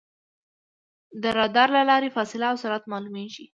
د رادار له لارې فاصله او سرعت معلومېږي.